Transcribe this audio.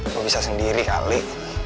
lu bisa sendiri kali